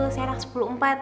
saya anak sepuluh empat